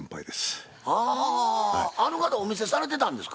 ああの方お店されてたんですか？